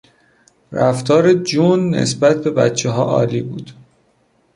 رفتار جون نسبت به بچهها عالی بود.